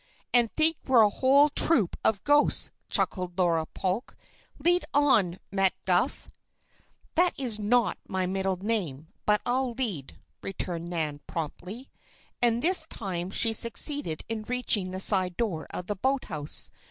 "And think we're a whole troop of ghosts," chuckled Laura Polk. "Lead on, Macduff!" "That's not my middle name, but I'll lead," returned Nan promptly, and this time she succeeded in reaching the side door of the boathouse.